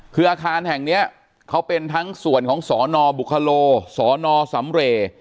คืออาคารแห่งนี้เขาเป็นทั้งส่วนของสนบุคโลสนสำเรย์